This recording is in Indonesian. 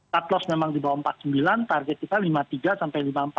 cut loss memang di bawah empat puluh sembilan target kita lima puluh tiga sampai lima puluh empat